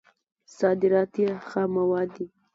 صادرات یې خام مواد دي.